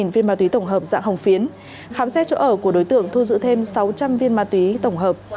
một mươi viên ma túy tổng hợp dạng hồng phiến khám xét chỗ ở của đối tượng thu giữ thêm sáu trăm linh viên ma túy tổng hợp